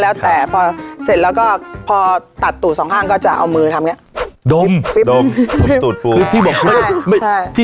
แล้วแต่พอเสร็จแล้วก็พอตัดตูดสองข้างก็จะเอามือทำอย่างนี้ดมตูดปูคือที่บอกคือไม่ใช่ที่